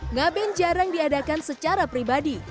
ngaben jarang diadakan secara pribadi